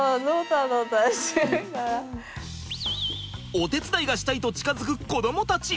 お手伝いがしたいと近づく子どもたち。